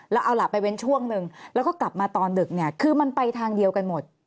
แล้วเอาล่ะไปเว้นช่วงหนึ่งแล้วก็กลับมาตอนดึกเนี่ยคือมันไปทางเดียวกันหมด